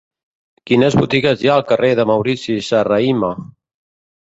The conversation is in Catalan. Quines botigues hi ha al carrer de Maurici Serrahima?